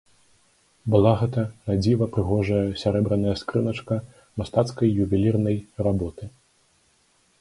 Была гэта надзіва прыгожая сярэбраная скрыначка мастацкай ювелірнай работы.